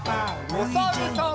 おさるさん。